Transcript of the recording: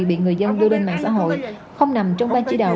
bị người dân đưa lên mạng xã hội không nằm trong ban chỉ đạo